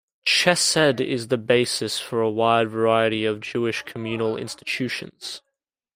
Chesed is the basis for a wide variety of Jewish communal institutions.